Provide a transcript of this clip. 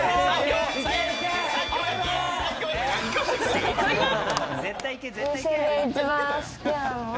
正解は。